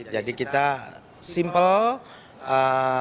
jadi kita simple